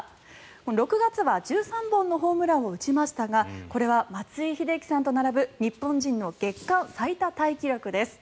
６月は１３本のホームランを打ちましたがこれは松井秀喜さんと並ぶ日本人の月間最多タイ記録です。